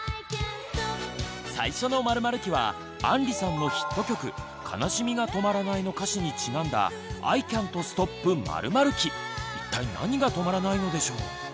最初の○○期は杏里さんのヒット曲「悲しみがとまらない」の歌詞にちなんだ一体何がとまらないのでしょう？